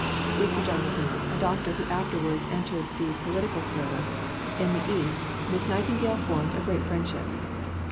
With Sir John M'Neill, a doctor who afterwards entered the Political Service in the East, Miss Nightingale formed a great friendship.